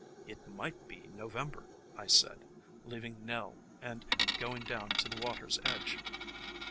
"It might be November," I said, leaving Nell and going down to the water's edge.